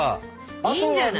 いいんじゃない？